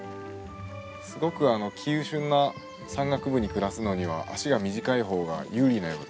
すごく急しゅんな山岳部に暮らすのには足が短い方が有利なようです。